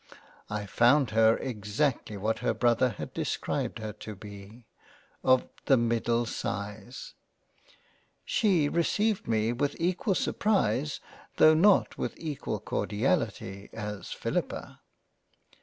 I found her exactly what her Brother hac described her to be — of the middle size. She received m( with equal surprise though not with equal Cordiality, Philippa.